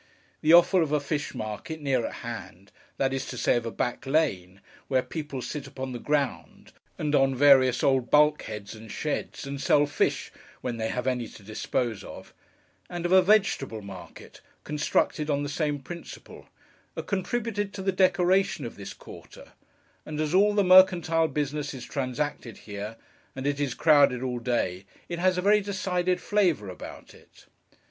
The offal of a fish market, near at hand—that is to say, of a back lane, where people sit upon the ground and on various old bulk heads and sheds, and sell fish when they have any to dispose of—and of a vegetable market, constructed on the same principle—are contributed to the decoration of this quarter; and as all the mercantile business is transacted here, and it is crowded all day, it has a very decided flavour about it.